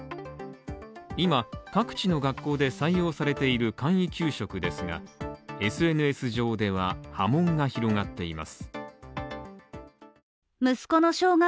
今各地の学校で採用されている簡易給食ですがＳＮＳ上では波紋が広がっています